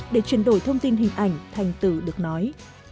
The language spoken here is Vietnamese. để chuyển đổi thông tin hình ảnh thành từ được nói